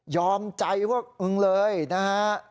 ใจพวกมึงเลยนะฮะ